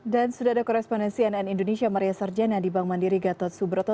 sudah ada korespondensi nn indonesia maria sarjana di bank mandiri gatot subroto